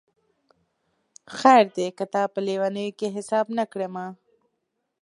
خیر دی که تا په لېونیو کي حساب نه کړمه